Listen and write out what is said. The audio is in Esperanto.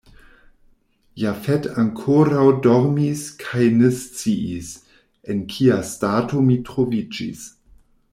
Jafet ankoraŭ dormis kaj ne sciis, en kia stato mi troviĝis.